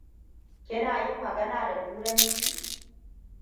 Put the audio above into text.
Kina yin magana da turanci?